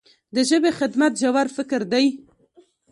د ژبې خدمت ژور فکر دی.